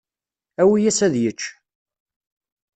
Awi-yas ad yečč.